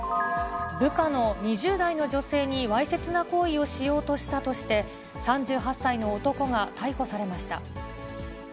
部下の２０代の女性にわいせつな行為をしようとしたとして、３８歳の男が逮捕されました。